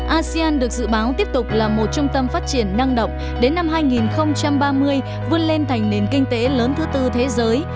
asean được dự báo tiếp tục là một trung tâm phát triển năng động đến năm hai nghìn ba mươi vươn lên thành nền kinh tế lớn thứ tư thế giới